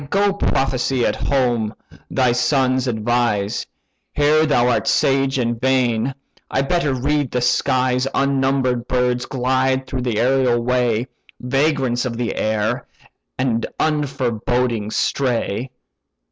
Go prophesy at home, thy sons advise: Here thou art sage in vain—I better read the skies Unnumber'd birds glide through the aërial way; Vagrants of air, and unforeboding stray.